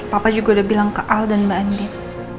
faham juga awalnya papa semuanya ts'andin